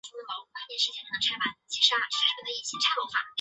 伊比库伊是巴西巴伊亚州的一个市镇。